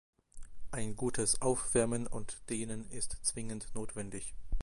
Ein gutes Aufwärmen und Dehnen ist zwingend notwendig.